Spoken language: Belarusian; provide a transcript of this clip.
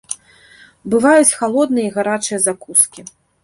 Бываюць халодныя і гарачыя закускі.